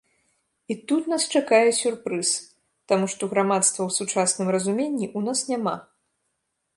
І тут нас чакае сюрпрыз, таму што грамадства ў сучасным разуменні ў нас няма.